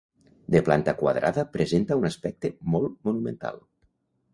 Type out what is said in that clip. De planta quadrada presenta un aspecte molt monumental.